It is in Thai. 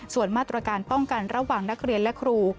ส่วนมาตรการป้องกันระหว่างนักเรียนและครู